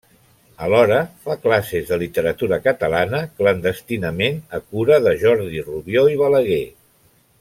Alhora, fa classes de literatura catalana clandestinament a cura de Jordi Rubió i Balaguer.